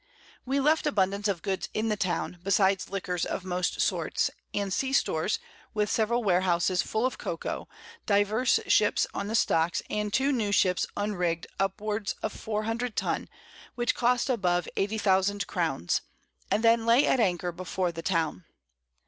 We left abundance of Goods in the Town, besides Liquors of most sorts, and Sea Stores, with several Warehouses full of Cocoa, divers Ships on the Stocks, and 2 new Ships unrigg'd, upwards of 400 Tun, which cost above 80000 Crowns, and then lay at Anchor before the Town.